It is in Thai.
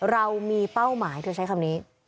เรามีเป้าหมายเธอใช้คำนี้